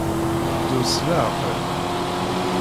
Ddu s leɛqel.